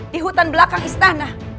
di hutan belakang istana